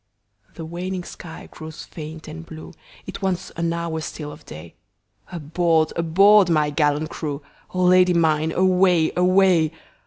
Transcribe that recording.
The waning sky grows faint and blue, It wants an hour still of day, Aboard! aboard! my gallant crew,O Lady mine away! away!